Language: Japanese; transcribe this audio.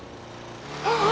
ああ！